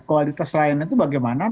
kualitas layanannya itu bagaimana